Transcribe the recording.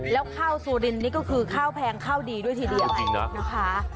แล้วข้าวสุรินนี่ก็คือข้าวแพงข้าวดีด้วยทีเดียวนะคะ